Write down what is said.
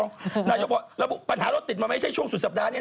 นายกบอกระบุปัญหารถติดมาไม่ใช่ช่วงสุดสัปดาห์นี้